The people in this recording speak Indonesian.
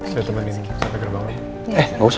saya temenin sampai ke gerbangnya